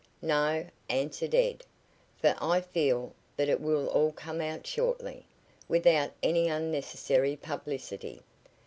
"No," answered Ed, "for I feel that it will all come out shortly, without any unnecessary publicity.